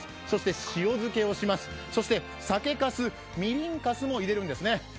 そして塩漬けをしますそして酒かすみりんかすも入れるんですね。